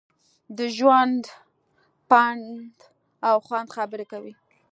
د ژوند، پند او خوند خبرې کوي.